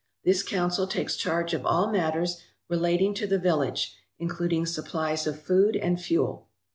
This council takes charge of all matters relating to the village, including supplies of food and fuel.